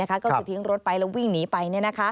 ก็คือทิ้งรถไปแล้ววิ่งหนีไป